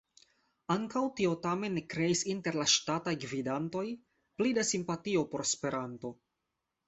Ankaŭ tio tamen ne kreis inter la ŝtataj gvidantoj pli da simpatio por Esperanto.